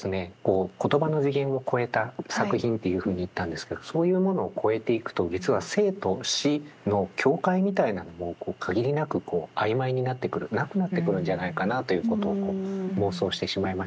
言葉の次元を超えた作品というふうに言ったんですけどそういうものを超えていくと実は生と死の境界みたいなのも限りなく曖昧になってくるなくなってくるんじゃないかなということを妄想してしまいましたね。